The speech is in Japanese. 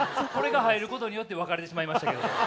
これが入ることによって分かれてしまいましたけれども。